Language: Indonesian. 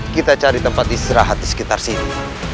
kita cari tempat istirahat di sekitar sini